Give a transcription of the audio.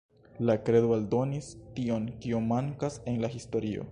La kredo aldonis tion kio mankas en la historio.